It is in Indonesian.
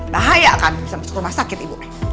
bahaya kan bisa masuk ke rumah sakit ibu